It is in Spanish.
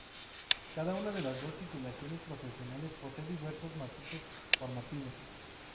Cada una de las dos titulaciones profesionales posee diversos matices formativos.